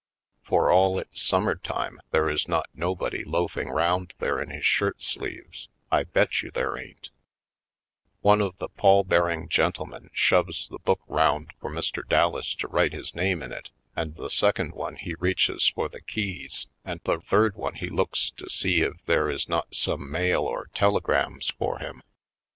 For all it's sum mer time there is not nobody loafing round there in his shirt sleeves — I bet you there ain't I One of the pall bearing gentlemen shoves the book round for Mr. Dallas to write his name in it and the second one he reaches for the keys and the third one he looks to see if there is not some mail or telegrams for him.